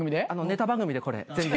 ネタ番組でこれ。